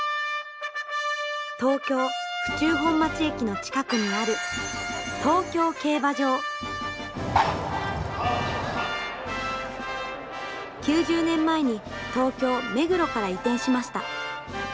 東京府中本町駅の近くにある９０年前に東京・目黒から移転しました。